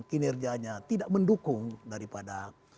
kinerjanya tidak mendukung daripada